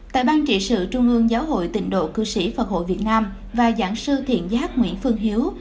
tại ban trị sự trung ương giáo hội tịnh độ cư sĩ phật hội việt nam và giảng sư thiện giác nguyễn phương hiếu